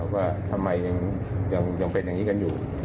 ว่าทำไมยังเป็นแบบนี้อยู่